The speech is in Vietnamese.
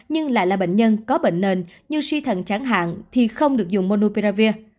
nhưng lại là bệnh nhân có bệnh nền như suy thần chẳng hạn thì không được dùng monopiravir